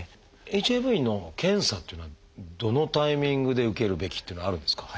ＨＩＶの検査っていうのはどのタイミングで受けるべきっていうのはあるんですか？